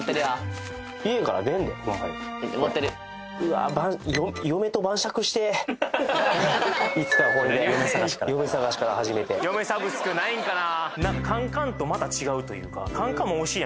ほんまにこれうわーいつかこれで嫁探しから始めて嫁サブスクないんかな？